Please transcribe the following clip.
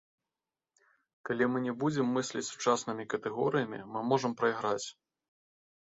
Калі мы не будзем мысліць сучаснымі катэгорыямі мы можам прайграць.